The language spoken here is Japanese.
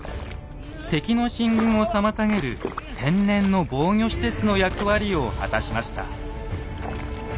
敵の進軍を妨げる天然の防御施設の役割を果たしました。